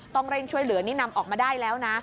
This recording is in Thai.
ต้องเร่งช่วยเหลือนี่นำออกมาได้แล้วนะ